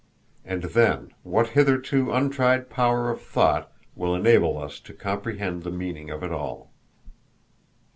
And then, what hitherto untried power of thought will enable us to comprehend the meaning of it all?